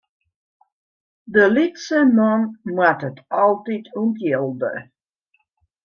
De lytse man moat it altyd ûntjilde.